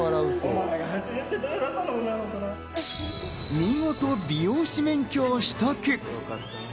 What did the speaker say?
見事、美容師免許を取得。